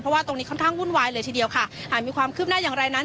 ว่าตรงนี้ค่อนข้างวุ่นวายเลยทีเดียวค่ะหากมีความคืบหน้าอย่างไรนั้น